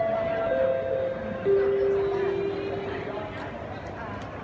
พี่แม่ที่เว้นได้รับความรู้สึกมากกว่า